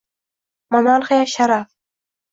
Monarxiya — sharaf